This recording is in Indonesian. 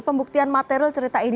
pembuktian material cerita ini